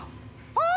あっ！